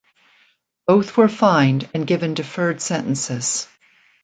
Both were fined and given deferred sentences.